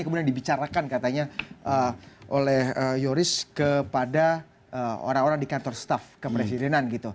kemudian dibicarakan katanya oleh yoris kepada orang orang di kantor staff kepresidenan gitu